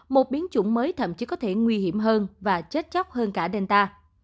một biến chủng mới thậm chí có thể nguy hiểm hơn và chết chóc hơn cả delta